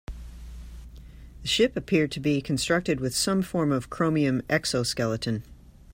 The ship appeared to be constructed with some form of chromium exoskeleton.